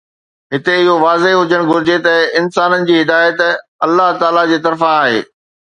هتي اهو واضح هجڻ گهرجي ته انسانن جي هدايت الله تعاليٰ جي طرفان آهي